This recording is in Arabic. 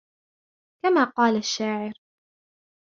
كَمَا قَالَ الشَّاعِرُ